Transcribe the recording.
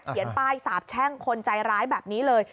ป้ายสาบแช่งคนใจร้ายแบบนี้เลย